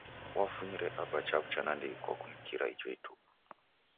Wafunyire Aba chaw'ucha nandighi kwa kumkira ijo ituku.